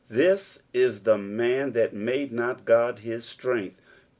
" ITiit U the man that made not Ood hU ttrength."